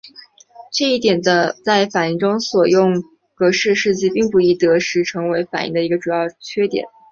这一点在反应中所用格氏试剂并不易得时成为反应的一个主要缺点。